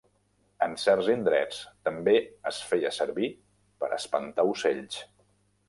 En certs indrets, també es feia servir per espantar ocells.